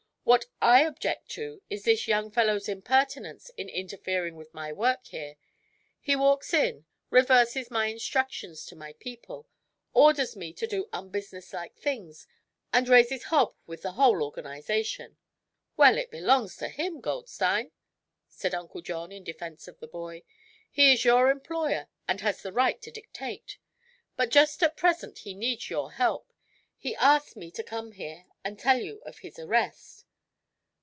What I object to is this young fellow's impertinence in interfering with my work here. He walks in, reverses my instructions to my people, orders me to do unbusinesslike things and raises hob with the whole organization." "Well, it belongs to him, Goldstein," said Uncle John, in defense of the boy. "He is your employer and has the right to dictate. But just at present he needs your help. He asked me to come here and tell you of his arrest."